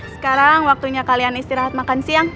sekarang waktunya kalian istirahat makan siang